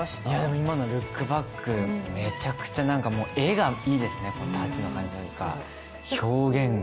今の「ルックバック」、めちゃくちゃ絵がいいですね、タッチとか表現が。